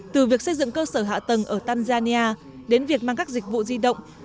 từ việc xây dựng cơ sở hạ tầng ở tanzania đến việc mang các dịch vụ di động